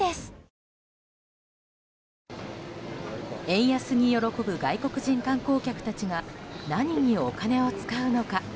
円安に喜ぶ外国人観光客たちが何にお金を使うのか。